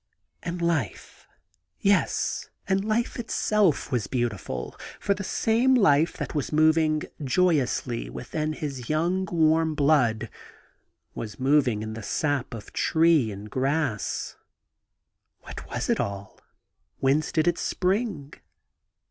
And life! — ^yes; and life itself was beautiful! For the same life that was moving joyously within his young warm blood, was moving in the sap of tree and grass. What was it all ? Whence did it spring